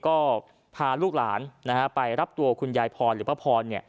ก็พาลูกหลานไปรับตัวคุณยายพรหรือป้าพร